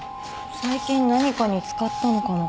最近何かに使ったのかも。